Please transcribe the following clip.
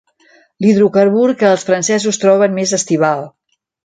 L'hidrocarbur que els francesos troben més estival.